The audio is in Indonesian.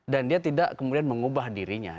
dan dia tidak kemudian mengubah dirinya